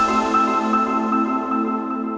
โป๊งเน่งเชิญยิ้มและหน้าครับ